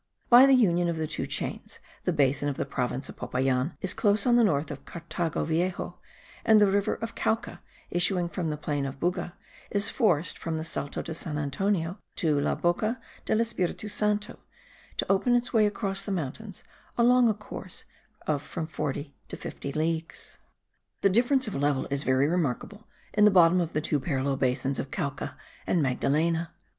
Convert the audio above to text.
By the union of the two chains, the basin of the province of Popayan is close on the north of Cartago Viejo; and the river of Cauca, issuing from the plain of Buga, is forced, from the Salto de San Antonio, to La Boca del Espiritu Santo, to open its way across the mountains, along a course of from 40 to 50 leagues. The difference of the level is very remarkable in the bottom of the two parallel basins of Cauca and Magdalena.